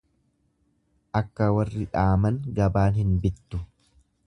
Akka warri dhaaman gabaan hin bittu.